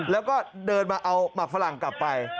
แล้วก็เดินมาเอาหมักฝรั่งกลับไป